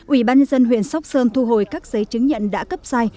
ủy ban nhân dân huyện sóc sơn thu hồi các giấy chứng nhận đã cấp sai